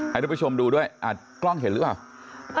ให้ทุกผู้ชมดูด้วยกล้องเห็นหรือเปล่า